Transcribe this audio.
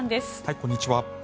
こんにちは。